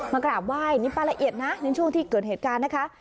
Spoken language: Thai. กราบไหว้นี่ป้าละเอียดนะในช่วงที่เกิดเหตุการณ์นะคะ